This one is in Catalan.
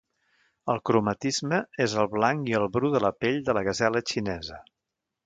El cromatisme és el blanc i el bru de la pell de la gasela xinesa.